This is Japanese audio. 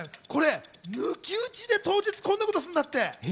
抜き打ちで当日こんなことするんだって。